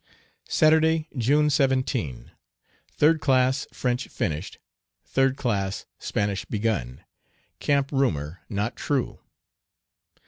Saturday, June 17. Third class, French finished. Third class, Spanish begun. "Camp rumor" not true.